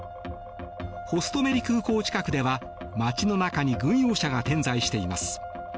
ホストメリ空港近くでは街の中に軍用車が点在しています。